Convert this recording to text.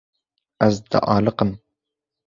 Ez dialiqim.